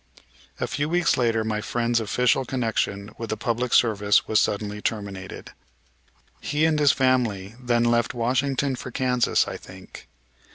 A few weeks later my friend's official connection with the public service was suddenly terminated. He and his family then left Washington for Kansas, I think.